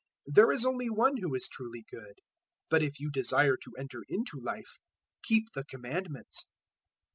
There is only One who is truly good. But if you desire to enter into Life, keep the Commandments."